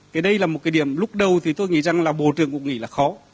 cái đây là một cái điểm lúc đầu thì tôi nghĩ rằng là bộ trưởng cũng nghĩ là khó